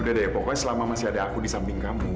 udah deh pokoknya selama masih ada aku di samping kamu